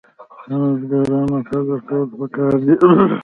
د خدمتګارانو قدر کول پکار دي.